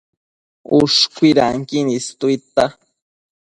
Ushcuidanquin istuidtia